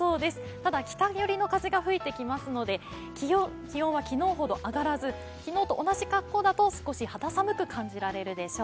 ただ、北寄りの風が吹いてきますので、気温は昨日ほど上がらず昨日と同じ格好だと少し肌寒く感じられるでしょう。